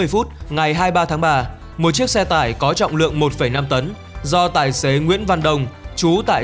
phút ngày hai mươi ba tháng ba một chiếc xe tải có trọng lượng một năm tấn do tài xế nguyễn văn đông chú tại